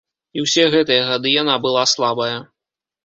І ўсе гэтыя гады яна была слабая.